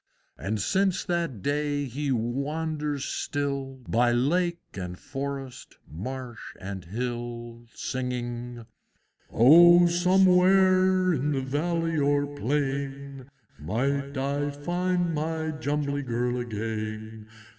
And since that day he wanders still By lake and forest, marsh and hill, Singing, "O somewhere, in valley or plain, Might I find my Jumbly Girl again!